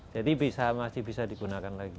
jadi bisa masih bisa digunakan lagi